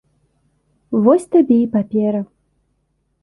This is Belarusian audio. Вось табе і папера.